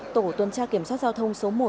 tổ tuần tra kiểm soát giao thông số một